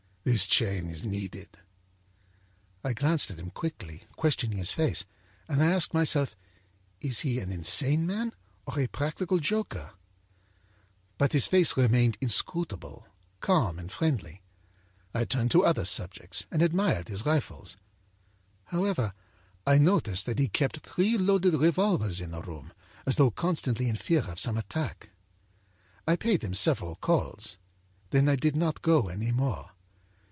This chain is needed.' âI glanced at him quickly, questioning his face, and I asked myself: â'Is he an insane man or a practical joker?' âBut his face remained inscrutable, calm and friendly. I turned to other subjects, and admired his rifles. âHowever, I noticed that he kept three loaded revolvers in the room, as though constantly in fear of some attack. âI paid him several calls. Then I did not go any more.